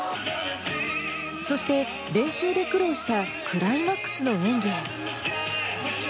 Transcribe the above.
そして、練習で苦労したクライマックスの演技へ。